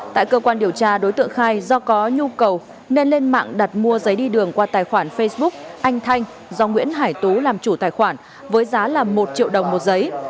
tại cơ quan điều tra đối tượng khai do có nhu cầu nên lên mạng đặt mua giấy đi đường qua tài khoản facebook anh thanh do nguyễn hải tú làm chủ tài khoản với giá là một triệu đồng một giấy